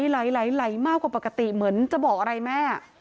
ไหลมากกว่าปกติเหมือนจะบอกอะไรแม่